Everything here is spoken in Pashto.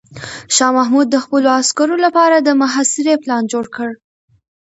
شاه محمود د خپلو عسکرو لپاره د محاصرې پلان جوړ کړ.